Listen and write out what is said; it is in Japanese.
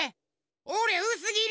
おれうすぎり！